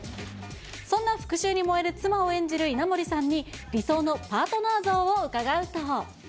そんな復習に燃える妻を演じる稲森さんに、理想のパートナー像を伺うと。